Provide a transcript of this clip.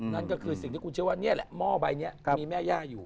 นั่นก็คือสิ่งที่คุณเชื่อว่านี่แหละหม้อใบนี้มีแม่ย่าอยู่